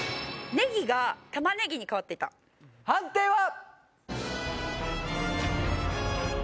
ネギが玉ねぎに変わっていた判定は？